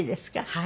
はい。